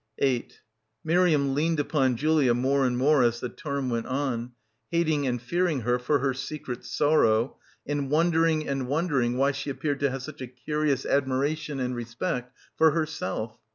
8 Miriam leaned upon Julia more and more as the term went on, hating and fearing her for her secret sorrow and wondering and wondering why she appeared to have such a curious admiration — 280 — BACKWATER and respect for herself.